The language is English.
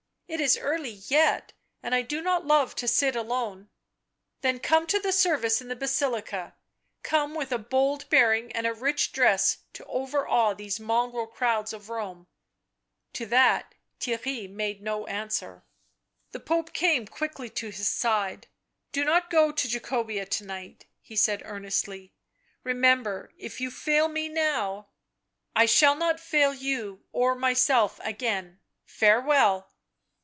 "It is early yet, and I do not love to sit alone." " Then come to the service in the Basilica — come with a bold bearing and a rich dress to overawe these mongrel crowds of Rome." To that Theirry made no answer. The Pope came quickly to his side. " Do not go to Jacobea to night," he said earnestly. " Remember, if you fail me now "" I shall not fail you or myself again — farewell."